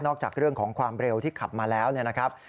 จากเรื่องของความเร็วที่ขับมาแล้วเนี่ยนะครับ